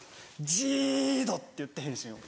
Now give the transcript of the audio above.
ジード！って言って変身を。